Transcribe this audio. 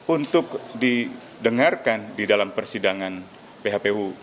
untuk didengarkan di dalam persidangan phpu